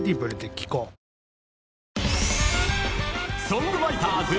［ソングライターズ］